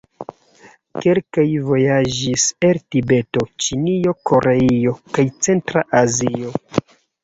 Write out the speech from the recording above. Kelkaj vojaĝis el Tibeto, Ĉinio, Koreio kaj centra Azio.